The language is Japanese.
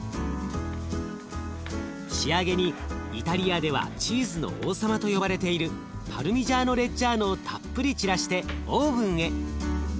仕上げにイタリアではチーズの王様と呼ばれているパルミジャーノ・レッジャーノをたっぷり散らしてオーブンへ。